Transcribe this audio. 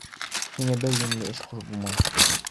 Һиңә бер йүнле эш ҡушып булмай!